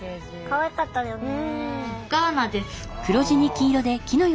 かわいかったよね。